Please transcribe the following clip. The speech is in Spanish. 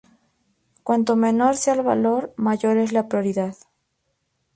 Cuanto menor sea el valor, mayor es la prioridad.